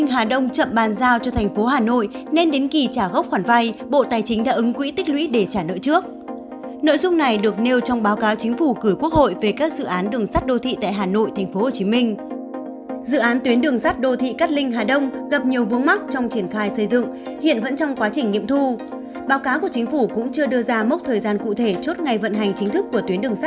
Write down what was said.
hãy đăng ký kênh để ủng hộ kênh của chúng mình nhé